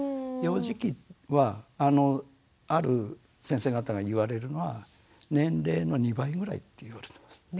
幼児期はある先生方が言われるのは年齢の２倍ぐらいっていわれてます。